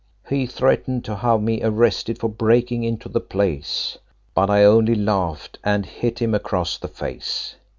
He threatened to have me arrested for breaking into the place, but I only laughed and hit him across the face.